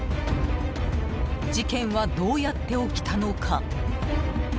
事件はどうやって起きたのか。